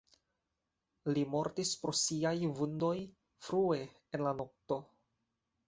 Li mortis pro siaj vundoj frue en la nokto.